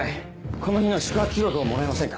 この日の宿泊記録をもらえませんか？